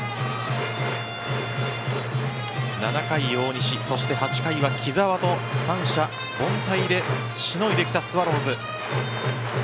７回、大西、８回は木澤と三者凡退でしのいできたスワローズ。